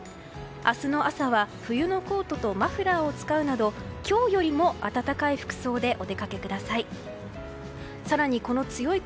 明日の朝は冬のコートとマフラーを使うなど今日よりも暖かい服装でお出かけください。